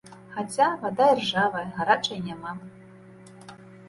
Хаця, вада іржавая, гарачай няма.